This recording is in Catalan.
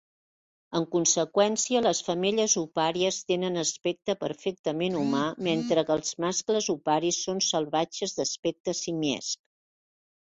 En conseqüència, les femelles opàries tenen aspecte perfectament humà, mentre que els mascles oparis són salvatges d'aspecte simiesc.